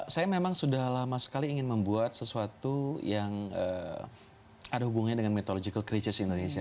saya memang sudah lama sekali ingin membuat sesuatu yang ada hubungannya dengan mitological creatures indonesia